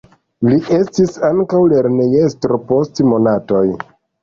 Li estis ankaŭ lernejestro post monatoj.